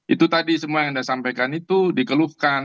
itu tadi semua yang anda sampaikan itu dikeluhkan